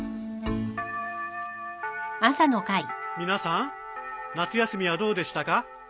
皆さん夏休みはどうでしたか？